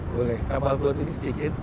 boleh kapal peluru ini sedikit